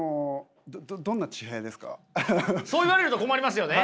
そう言われると困りますよね。